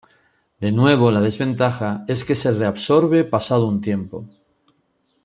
De nuevo, la desventaja es que se reabsorbe pasado un tiempo.